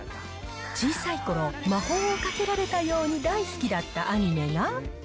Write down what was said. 小さいころ、魔法をかけられたように大好きだったアニメが。